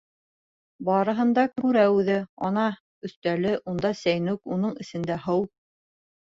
Барыһын да күрә үҙе, ана, өҫтәле, унда сәйнүк, уның эсендә һыу.